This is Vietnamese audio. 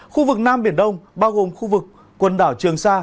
khu vực nam biển đông bao gồm khu vực quần đảo trường sa